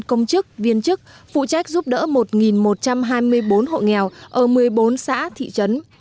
công chức viên chức phụ trách giúp đỡ một một trăm hai mươi bốn hộ nghèo ở một mươi bốn xã thị trấn